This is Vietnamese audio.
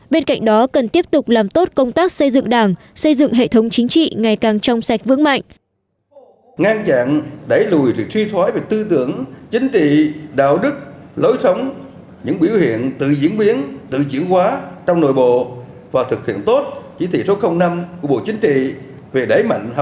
bên cạnh đó cần tiếp tục làm tốt công tác xây dựng đảng xây dựng hệ thống chính trị ngày càng trong sạch vững mạnh